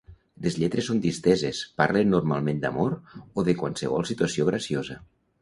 Les lletres són disteses, parlen normalment d'amor o de qualsevol situació graciosa.